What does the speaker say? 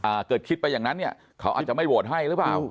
เกิดคิดไปอย่างนั้นเนี่ยเขาอาจจะไม่โหวตให้หรือเปล่า